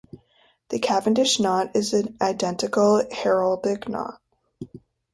The Cavendish knot is an identical heraldic knot.